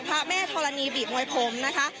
พระแม่ธรณีบีบมวยผมนะคะ